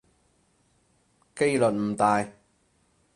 機率唔大